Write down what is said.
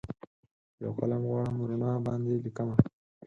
یوقلم غواړم روڼا باندې لیکمه